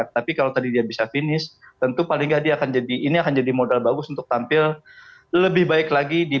tapi kalau tadi dia bisa finish tentu paling nggak dia akan jadi ini akan jadi modal bagus untuk tampil lebih baik lagi